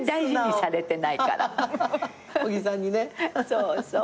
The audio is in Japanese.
そうそう。